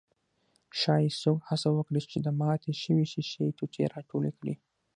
ښايي څوک هڅه وکړي چې د ماتې شوې ښيښې ټوټې راټولې کړي.